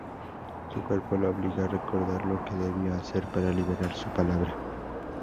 Su cuerpo la obliga a recordar lo que debió hacer para liberar su palabra.